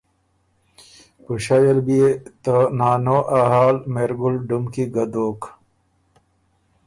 پُݭئ ال بيې ته نانو ا حال مهرګل ډُم کی دوک